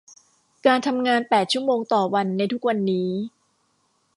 การทำงานแปดชั่วโมงต่อวันในทุกวันนี้